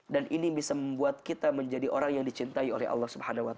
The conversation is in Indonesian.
dan ini bisa membuat kita menjadi orang yang dicintai oleh allah